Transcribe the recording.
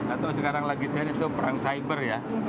atau sekarang lagi itu perang cyber ya